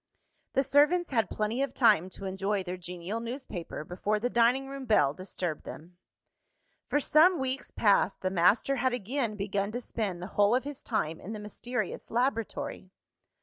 The servants had plenty of time to enjoy their genial newspaper, before the dining room bell disturbed them. For some weeks past, the master had again begun to spend the whole of his time in the mysterious laboratory.